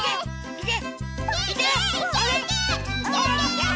いけ！